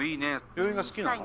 病院が好きなの？